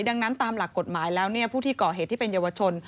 ดังนั้นตามหลักกฎหมายแล้วผู้ที่ก่อเหตุที่เป็นเยาวชน